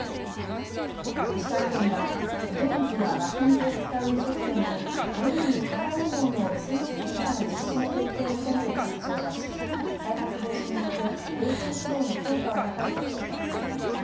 石川県は井戸水や湧き水を使う飲食店に年に１回以上の水質検査の実施の徹底を求める通知を出し再発防止に向け衛生指導の強化を図るとしています。